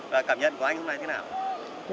và cảm nhận của anh hôm nay thế nào